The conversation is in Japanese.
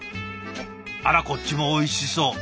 あらこっちもおいしそう。